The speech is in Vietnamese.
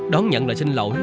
đón nhận lời xin lỗi